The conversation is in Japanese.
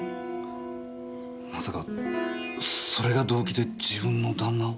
まさかそれが動機で自分の旦那を？